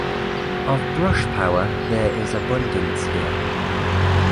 Of brush-power there is abundance here.